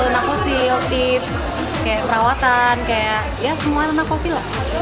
kalo anak kosil tips kayak perawatan kayak ya semua anak kosil lah